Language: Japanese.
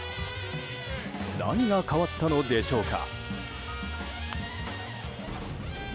何が変わったのでしょうか。